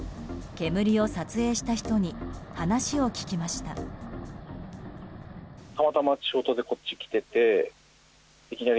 煙を撮影した人に話を聞きました。